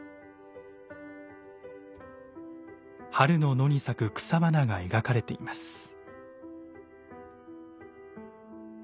春の野に咲く草花が描かれています。